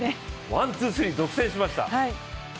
ワン・ツー・スリー独占しました。